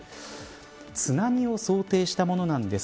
津波を想定したものです。